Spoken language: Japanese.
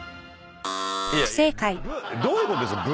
どういうことですか？